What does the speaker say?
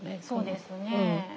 そうですね。